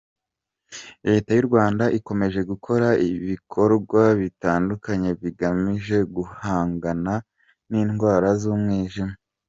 Leta y’u Rwanda ikomeje gukora ibikorwa bitandukanye bigamije guhangana n’indwara z’umwijima.